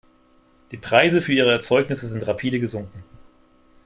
Die Preise für ihre Erzeugnisse sind rapide gesunken.